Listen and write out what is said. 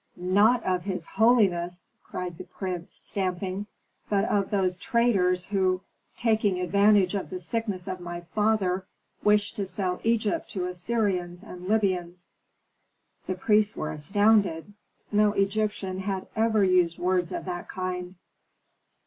"Not of his holiness!" cried the prince, stamping, "but of those traitors who, taking advantage of the sickness of my father, wish to sell Egypt to Assyrians and Libyans." The priests were astounded. No Egyptian had ever used words of that kind.